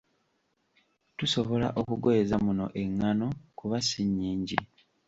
Tusobola okugoyeza muno engano kuba si nnyingi.